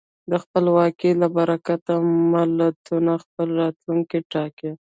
د خپلواکۍ له برکته ملتونه خپل راتلونکی ټاکي.